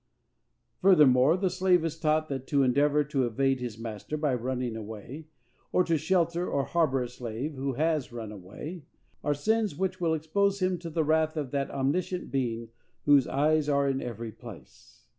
Furthermore, the slave is taught that to endeavor to evade his master by running away, or to shelter or harbor a slave who has run away, are sins which will expose him to the wrath of that omniscient Being, whose eyes are in every place.